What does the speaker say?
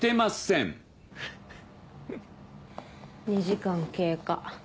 ２時間経過。